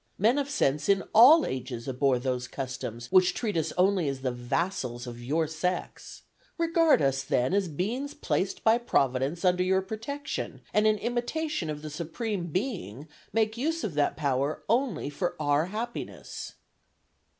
Men of sense in all ages abhor those customs which treat us only as the vassals of your sex; regard us then as beings placed by Providence under your protection, and in imitation of the Supreme Being make use of that power only for our happiness."